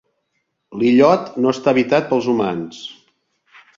L'illot no està habitat pels humans.